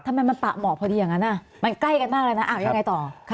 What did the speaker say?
ทำไมมันปะเหมาะพอดีอย่างนั้นมันใกล้กันมากแล้วนะยังไงต่อ